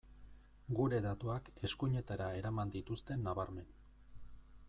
Gure datuak eskuinetara eraman dituzte nabarmen.